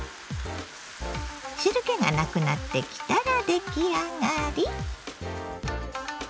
汁けがなくなってきたら出来上がり。